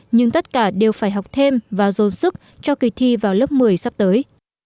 nhưng tất cả đều phải học thêm và dồn sức cho kỳ thi vào lớp một mươi sắp tới